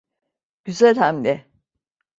Güzel hamle.